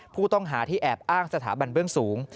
ผู้ต้องหาที่แอบอ้างสถาบันเบื้องสูง